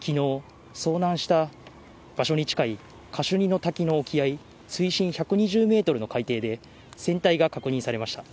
きのう、遭難した場所に近いカシュニの滝の沖合、水深１２０メートルの海底で、船体が確認されました。